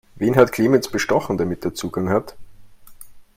Wen hat Clemens bestochen, damit er Zugang hat?